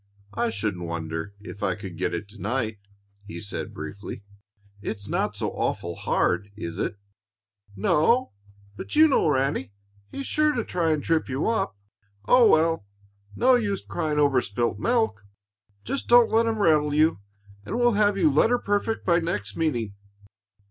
"I shouldn't wonder if I could get it to night," he said briefly. "It's not so awful hard, is it?" "N n o, but you know Ranny; he's sure to try and trip you up. Oh, well, no use crying over spilt milk! Just don't let him rattle you, and we'll have you letter perfect by next meeting."